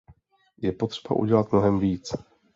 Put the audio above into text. Je potřeba udělat mnohem víc.